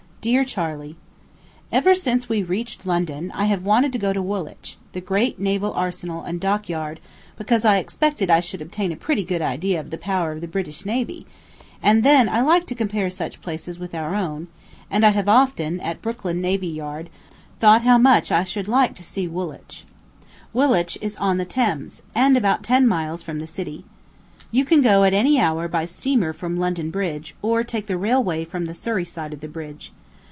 DEAR CHARLEY: Ever since we reached London, I have wanted to go to Woolwich, the great naval arsenal and dockyard, because I expected I should obtain a pretty good idea of the power of the British navy; and then I like to compare such places with our own; and I have often, at Brooklyn Navy Yard, thought how much I should like to see Woolwich. Woolwich is one the Thames, and about ten miles from the city. You can go at any hour by steamer from London Bridge, or take the railway from the Surrey side of the bridge.